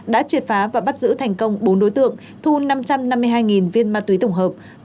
đã triệt phá và bắt giữ thành công bốn đối tượng thu năm trăm năm mươi hai viên ma túy tổng hợp